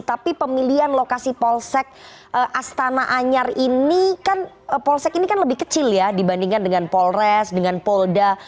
tapi pemilihan lokasi polsek astana anyar ini kan polsek ini kan lebih kecil ya dibandingkan dengan polres dengan polda